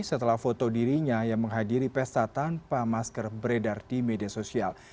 setelah foto dirinya yang menghadiri pesta tanpa masker beredar di media sosial